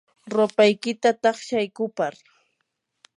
rupaykita taqshay kupar.